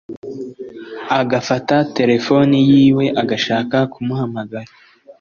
agafata telefoni yiwe agashaka kumuhamagara